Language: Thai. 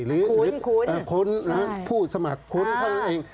หรือผู้สมัครคุณทั้งนั้นเอง